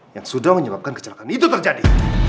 yang sudah menyebabkan kecelakaan itu terjadi